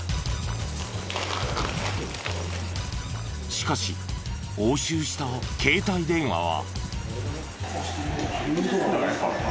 しかし押収した携帯電話は。